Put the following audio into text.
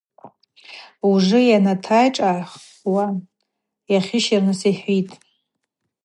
Ужвы йанаташӏайхӏвахуа йахищырныс йхӏвитӏ.